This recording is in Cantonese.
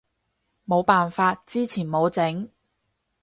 冇辦法，之前冇整